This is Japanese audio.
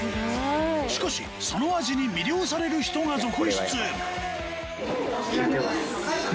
しかしその味に魅了される人が続出